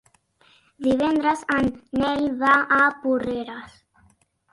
Divendres en Nel va a Porreres.